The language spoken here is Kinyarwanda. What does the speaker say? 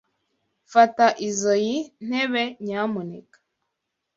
Fata izoi ntebe, nyamuneka.